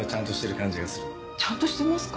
ちゃんとしてますか？